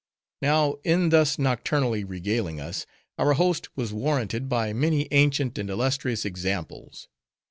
Now, in thus nocturnally regaling us, our host was warranted by many ancient and illustrious examples.